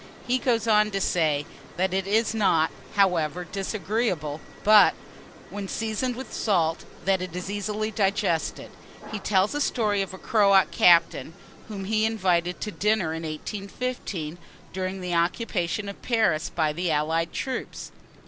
He goes on to say, that it is not, however, disagreeable; but, when seasoned with salt, that it is easily digested. He tells a story of a Croat captain, whom he invited to dinner in 1815, during the occupation of Paris by the allied troops.